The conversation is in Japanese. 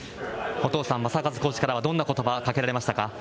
お父さん、正和コーチからはどんなことば、かけられましたか？